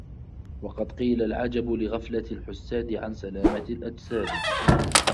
وَقَدْ قِيلَ الْعَجَبُ لِغَفْلَةِ الْحُسَّادِ عَنْ سَلَامَةِ الْأَجْسَادِ